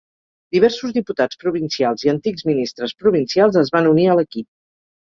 Diversos diputats provincials i antics ministres provincials es van unir a l'equip.